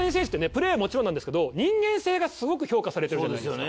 プレーはもちろんなんですけど人間性がすごく評価されてるじゃないですか。